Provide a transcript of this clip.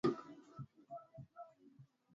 sauti zilizojipanga zilikuwa za muziki mzuri sana